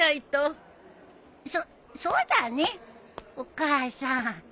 そっそうだねお母さん。